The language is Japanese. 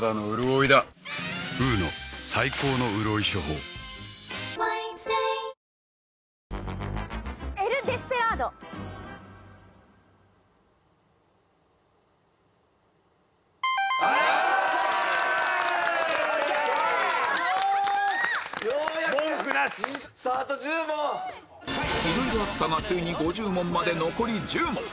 いろいろあったがついに５０問まで残り１０問